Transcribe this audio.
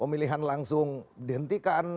pemilihan langsung dihentikan